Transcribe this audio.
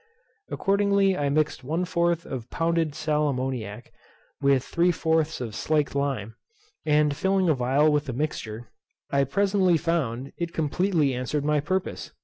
Accordingly I mixed one fourth of pounded sal ammoniac, with three fourths of slaked lime; and filling a phial with the mixture, I presently found it completely answered my purpose.